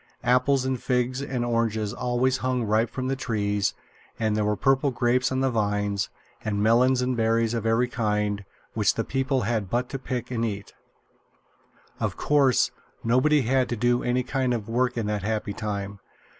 Apples and figs and oranges always hung ripe from the trees; and there were purple grapes on the vines, and melons and berries of every kind, which the people had but to pick and eat. Of course nobody had to do any kind of work in that happy time.